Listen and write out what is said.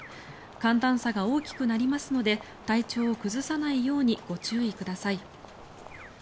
寒暖差が大きくなりますので体調を崩さないようにご注意ください。